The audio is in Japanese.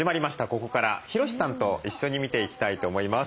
ここからヒロシさんと一緒に見ていきたいと思います。